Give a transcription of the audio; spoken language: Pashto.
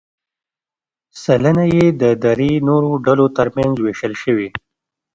سلنه یې د درې نورو ډلو ترمنځ ووېشل شوې.